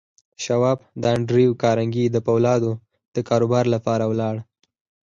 شواب د انډریو کارنګي د پولادو د کاروبار لپاره ولاړ